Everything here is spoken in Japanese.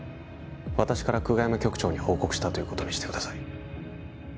私から久我山局長に報告したということにしてください